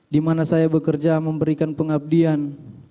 dimana saya bekerja memberikan pengabdian